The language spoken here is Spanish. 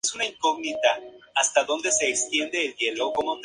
Atiende la demanda de los barrios Andes Norte, Pasadena y sus alrededores.